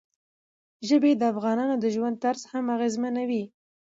ژبې د افغانانو د ژوند طرز هم اغېزمنوي.